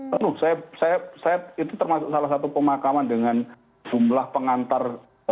penuh saya itu termasuk salah satu pemakaman dengan jumlah pengantar